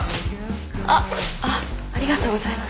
あっあっありがとうございます。